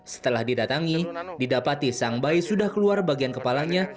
setelah didatangi didapati sang bayi sudah keluar bagian kepalanya